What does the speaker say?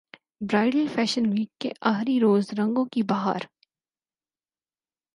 bridal fashion week کے اخری روز رنگوں کی بہار